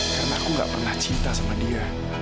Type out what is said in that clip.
karena aku gak pernah cinta sama dia